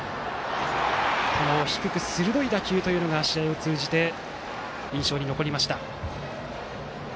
低く鋭い打球が、試合を通じて印象に残りました。